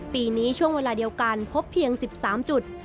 ปีนี้ช่วงเวลาเดียวกันพบเพียง๑๓จุด